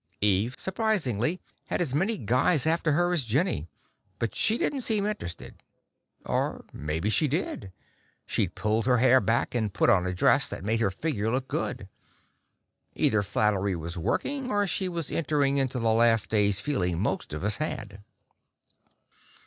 Eve, surprisingly, had as many guys after her as Jenny; but she didn't seem interested. Or maybe she did she'd pulled her hair back and put on a dress that made her figure look good. Either flattery was working, or she was entering into the last days feeling most of us had.